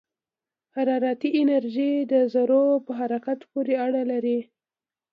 حرارتي انرژي د ذرّو په حرکت پورې اړه لري.